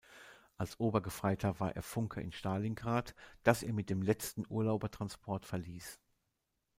Als Obergefreiter war er Funker in Stalingrad, das er mit dem letzten Urlauber-Transport verließ.